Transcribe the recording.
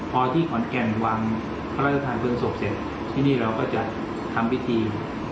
พอที่ขอนแก่นวางพระราชทางเบื้องศพเสร็จ